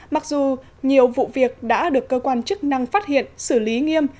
mặc dù nhiều vụ việc đã được cơ quan chức năng phát hiện xử lý nghiêm